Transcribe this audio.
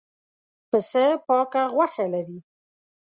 پسه پاکه غوښه لري.